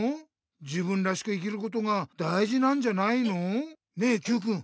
自分らしく生きることがだいじなんじゃないの？ねえＱくん